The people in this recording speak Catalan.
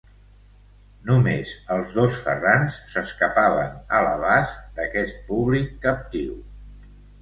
Només els dos Ferrans s'escapaven a l'abast d'aquest públic captiu.